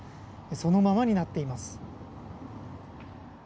そのままになっています。